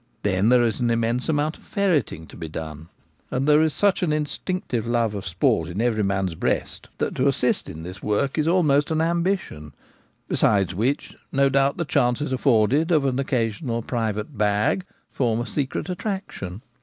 Then there is an immense amount of ferreting to be done, and there is such an instinctive love of sport in every man's breast, that to assist in this work is almost an ambition; besides which, no doubt the chances afforded of an occasional private ' bag ' form a secret attraction.